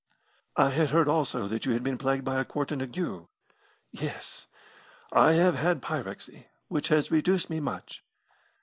"I had heard also that you had been plagued by a quartan ague." "Yes; I have had a pyrexy, which has reduced me much."